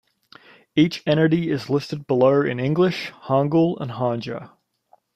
Each entity is listed below in English, Hangul, and Hanja.